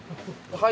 はい。